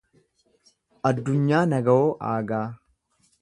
Addunyaa Nagawoo Aagaa